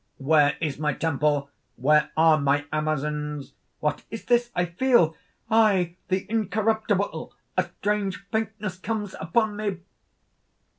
_) "Where is my temple? Where are my Amazons? "What is this I feel? I, the Incorruptible! a strange faintness comes upon me!"...